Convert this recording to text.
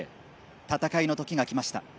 戦いの時が来ました。